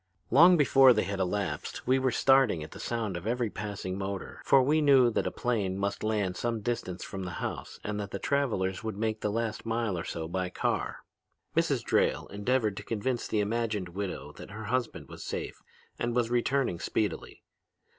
Long before they had elapsed we were starting at the sound of every passing motor, for we knew that a plane must land some distance from the house and that the travelers would make the last mile or so by car. "Mrs. Drayle endeavored to convince the imagined widow that her husband was safe and was returning speedily.